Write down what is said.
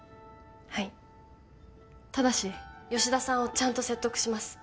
はいただし吉田さんをちゃんと説得します